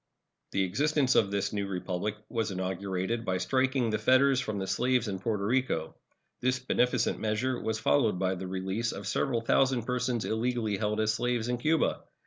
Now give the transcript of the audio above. The existence of this new Republic was inaugurated by striking the fetters from the slaves in Porto Rico. This beneficent measure was followed by the release of several thousand persons illegally held as slaves in Cuba.